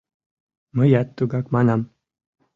Мыят тугак манам.